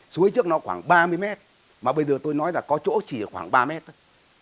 suối trước nó khoảng ba mươi mét mà bây giờ tôi nói là có chỗ chỉ ở khoảng ba mét thôi